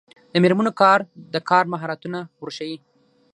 د میرمنو کار د کار مهارتونه ورښيي.